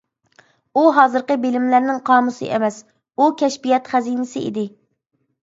ئۇ ھازىرقى بىلىملەرنىڭ قامۇسى ئەمەس، ئۇ كەشپىيات خەزىنىسى ئىدى.